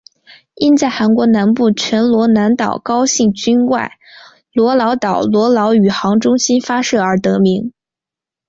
因在韩国南部全罗南道高兴郡外罗老岛罗老宇航中心发射而得名。